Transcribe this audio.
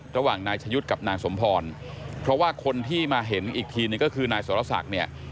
ระหว่างนายชะยุทธ์กับนางสมพรเพราะว่าคนที่มาเห็นอีกทีนึงก็คือนายสรศักดิ์เนี่ย